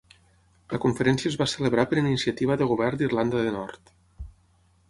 La Conferència es va celebrar per iniciativa de Govern d'Irlanda de Nord.